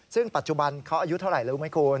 ซึ่งปัจจุบันเขาอายุเท่าไหร่รู้ไหมคุณ